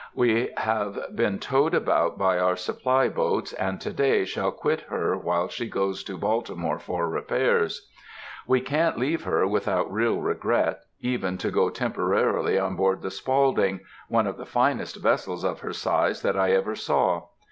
We have been towed about by our supply boats, and to day shall quit her while she goes to Baltimore for repairs. We can't leave her without real regret, even to go temporarily on board the Spaulding, one of the finest vessels of her size that I ever saw.